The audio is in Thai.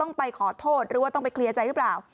ไปขอโทษหรือว่าต้องไปเคลียร์ใจหรือเปล่า